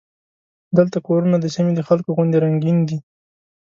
دلته کورونه د سیمې د خلکو غوندې رنګین دي.